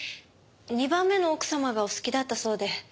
２番目の奥様がお好きだったそうで。